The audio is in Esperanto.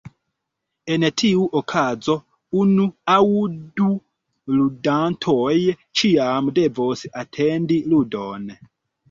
En tiu okazo, unu aŭ du ludantoj ĉiam devos atendi ludon.